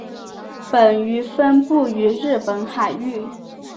本鱼分布于日本海域。